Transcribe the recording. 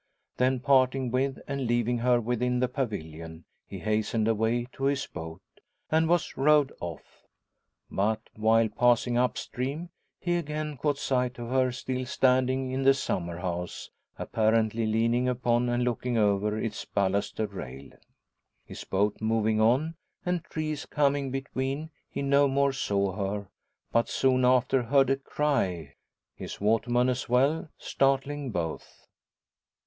Then parting with, and leaving her within the pavilion, he hastened away to his boat, and was rowed off. But, while passing up stream, he again caught sight of her, still standing in the summer house, apparently leaning upon, and looking over, its baluster rail. His boat moving on, and trees coming between he no more saw her; but soon after heard a cry his waterman as well startling both.